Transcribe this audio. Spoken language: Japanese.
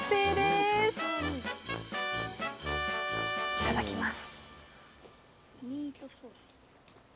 いただきます！